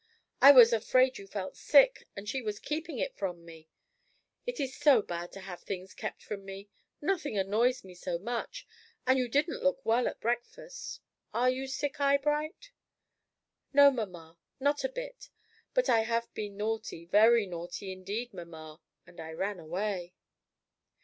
I was afraid you felt sick, and she was keeping it from me. It is so bad to have things kept from me; nothing annoys me so much. And you didn't look well at breakfast. Are you sick, Eyebright?" "No, mamma, not a bit. But I have been naughty very naughty indeed, mamma; and I ran away."